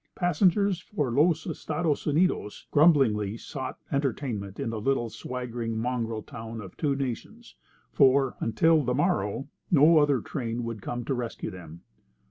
Passengers for Los Estados Unidos grumblingly sought entertainment in the little swaggering mongrel town of two nations, for, until the morrow, no other train would come to rescue them.